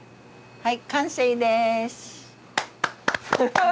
はい。